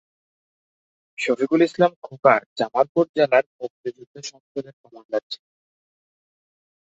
শফিকুল ইসলাম খোকা জামালপুর জেলা মুক্তিযোদ্ধা সংসদের কমান্ডার ছিলেন।